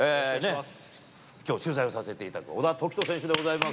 きょう取材をさせていただく小田凱人選手でございます。